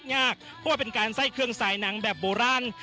เพราะว่าเป็นการใส่เครื่องสายหนังแบบโบราณ